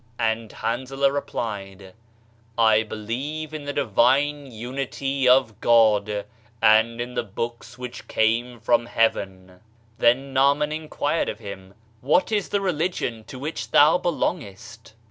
And Hanzalah replied: "I believe in the divine Unity of God, and in the Books which came from heaven!" Then Naaman inquired of him: "What is the religion to which thou belongest?"